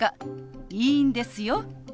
いいんですよ。